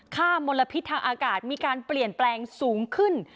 มลพิษทางอากาศมีการเปลี่ยนแปลงสูงขึ้น